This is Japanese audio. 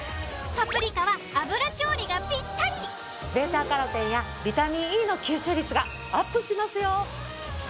パプリカは油調理がぴったりβカロテンやビタミンＥの吸収率がアップしますよ。